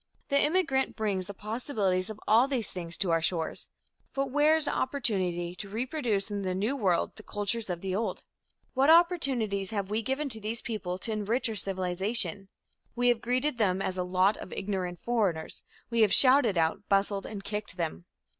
The immigrant brings the possibilities of all these things to our shores, but where is the opportunity to reproduce in the New World the cultures of the old? What opportunities have we given to these peoples to enrich our civilization? We have greeted them as "a lot of ignorant foreigners," we have shouted at, bustled and kicked them.